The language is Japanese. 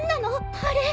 あれ。